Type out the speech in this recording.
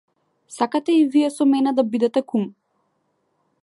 Сакате и вие со мене да бидете кум?